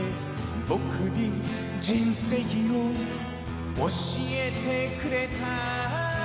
ぼくに人生を教えてくれた